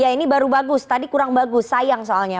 ini baru bagus tadi kurang bagus sayang soalnya